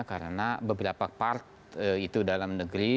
karena beberapa part itu dalam negeri